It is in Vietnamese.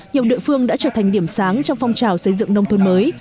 nhiều địa phương đã trở thành điểm sáng trong phong trào xây dựng nông thôn mới